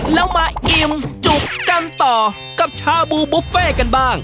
แล้วมาอิ่มจุกกันต่อกับชาบูบุฟเฟ่กันบ้าง